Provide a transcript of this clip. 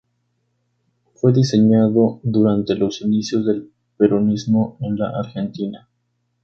Fue diseñado durante los inicios del peronismo en la Argentina.